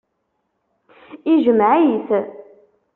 Ijmeɛ-it.